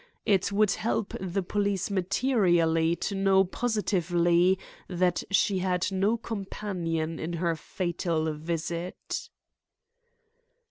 It would help the police materially to know positively that she had no companion in her fatal visit."